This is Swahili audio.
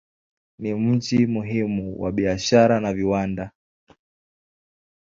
Ni mji muhimu wa biashara na viwanda.